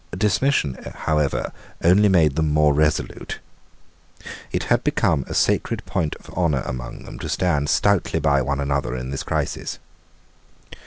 Dismission however only made them more resolute. It had become a sacred point of honour among them to stand stoutly by one another in this crisis.